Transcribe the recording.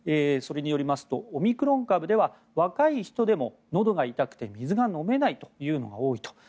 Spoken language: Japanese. それによりますとオミクロン株では若い人でものどが痛くて水が飲めないというのが多いと。